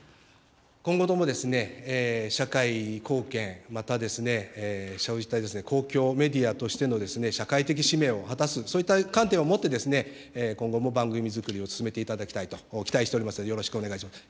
今後とも、社会貢献、またそういった公共メディアとしての社会的使命を果たす、そういった観点を持って、今後も番組作りを進めていただきたいと期待しておりますので、よろしくお願いします。